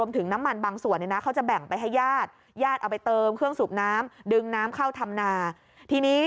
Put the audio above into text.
แล้วพอเอาเงินมาได้